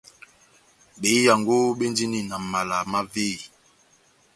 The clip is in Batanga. Behiyaango béndini na mala má véyi,